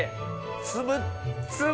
つぶっつぶ！